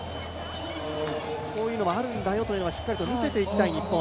こういうのがあるんだというのをしっかり見せていきたい日本。